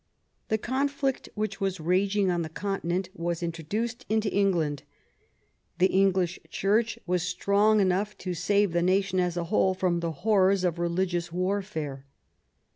The conflict which was raging on the Continent was introduced into England. The English Church was strong enough to save the nation as a whole from the horrors of religious warfare.